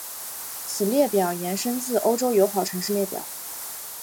此列表延伸自欧洲友好城市列表。